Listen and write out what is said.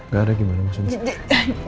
gak ada gimana maksudnya